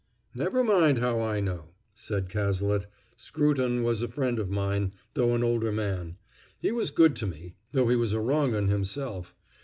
"Never mind how I know," said Cazalet. "Scruton was a friend of mine, though an older man; he was good to me, though he was a wrong 'un himself.